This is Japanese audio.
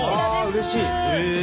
うれしい！